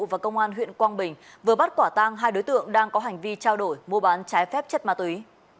và công an huyện quang bình vừa bắt quả tang hai đối tượng đang có hành vi trao đổi mua bán trái phép chất ma túy